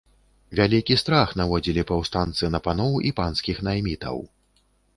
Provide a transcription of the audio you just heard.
Вялікі страх наводзілі паўстанцы на паноў і панскіх наймітаў.